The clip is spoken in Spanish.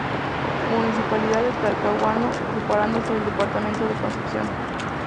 Municipalidad de Talcahuano, separándose del Departamento de Concepción.